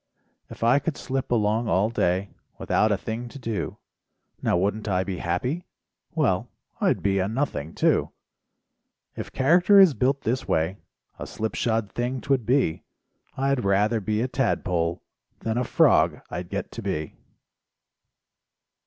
If I could slip along all day Without a thing to do, Now wouldn't I be happy? Well, I'd be a "nothing," too. If character is built this way, A slip shod thing 'twould be, I'd rather be a tad pole, Then a frog I'd get to be.